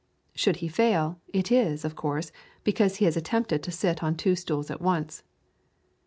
Should he fail, it is, of course, because he has attempted to sit on two stools at once.